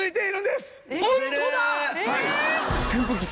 はい。